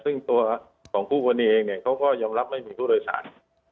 ซึ่งตัวของคู่กรณีเองเนี่ยเขาก็ยอมรับไม่มีผู้โดยสาร